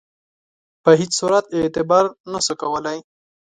په هیڅ صورت اعتبار نه سو کولای.